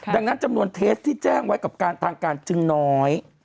ดังนั้นจำนวนเทสที่แจ้งไว้กับการทางการจึงน้อย